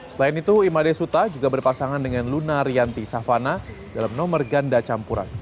selain itu imade suta juga berpasangan dengan luna rianti savana dalam nomor ganda campuran